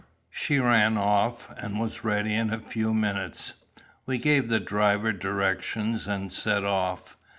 She ran off, and was ready in a few minutes. We gave the driver directions, and set off.